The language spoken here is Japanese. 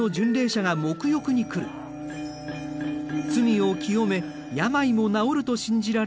罪を清め病も治ると信じられる沐浴。